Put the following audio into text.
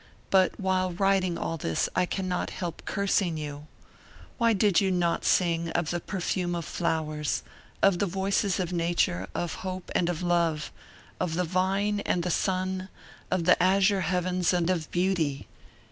But while writing all this I can not help cursing you. Why did you not sing of the perfume of flowers, of the voices of nature, of hope and of love, of the vine and the sun, of the azure heavens and of beauty.